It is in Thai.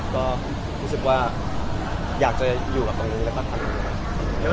ก็รู้สึกว่าอยากจะอยู่กับตรงนี้แล้วก็ทำยังไง